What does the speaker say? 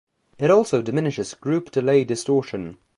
It also diminishes group delay distortion.